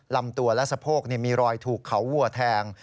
ลำตัวและสะโพกมีรอยถูกเขาวัวแทง